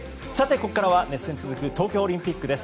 ここからは熱戦続く東京オリンピックです。